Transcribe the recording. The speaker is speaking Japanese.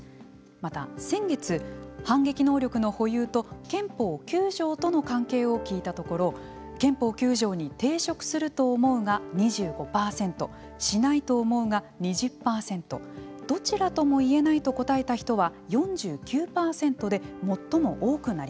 また、先月、反撃能力の保有と憲法９条との関係を聞いたところ憲法９条に抵触すると思うが２５％、しないと思うが２０％どちらともいえないと答えた人は４９％で、最も多くなりました。